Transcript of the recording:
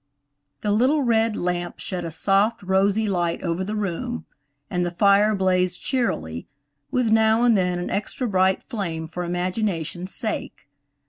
THE little red lamp shed a soft, rosy light over the room, and the fire blazed cheerily, with now and then an extra bright flame for imagination's sake.